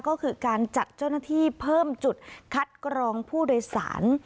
ก็คือการจัดเจ้าหน้าที่เพิ่มจุดคัดกรองผู้โดยสาร